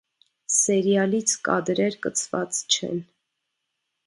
Սերիալից կադրեր կցված չեն։